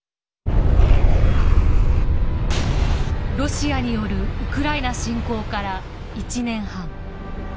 ロシアによるウクライナ侵攻から１年半。